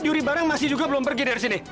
curi barang masih juga belum pergi dari sini